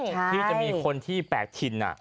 ที่จะมีคนที่แปลกถิ่น